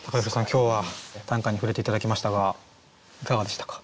今日は短歌に触れて頂きましたがいかがでしたか？